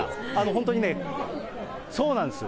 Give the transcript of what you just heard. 本当にね、そうなんです。